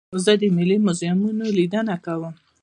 زه د ملي موزیمونو لیدنه کوم.